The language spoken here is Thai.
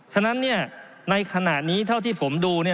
ฉะนั้นในขณะนี้เท่าที่ผมดู